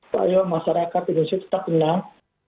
saya yakin masyarakat indonesia tetap tenang